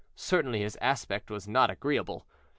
Certainly his aspect was not agreeable.